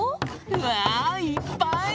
うわいっぱい！